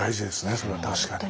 それは確かに。